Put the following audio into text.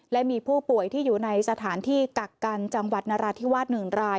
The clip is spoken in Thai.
และมีผู้ป่วยที่อยู่ในสถานที่กักกันจังหวัดนราธิวาส๑ราย